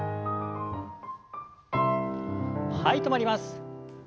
はい止まります。